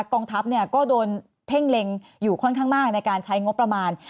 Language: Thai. กองทัพก็โดนเพ่งเล็งอยู่ค่อนข้างมากในการใช้งบประมาณ